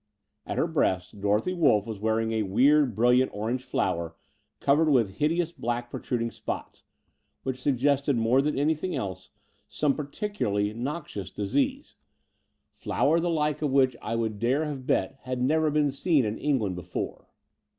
At her breast Dorothy Wolff was wearing a weird brilliant orange flower covered with hideous black protruding spots, which suggested more than any thing else some particularly noxious disease — 9 154 The Door of the Unreal flower the like of which I would dare have bet had never been seen in England before.